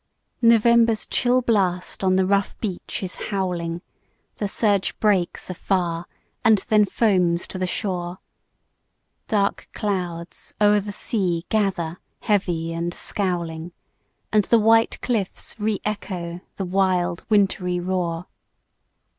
NOVEMBER'S chill blast on the rough beach is howling, The surge breaks afar, and then foams to the shore, Dark clouds o'er the sea gather heavy and scowling, And the white cliffs re echo the wild wintry roar.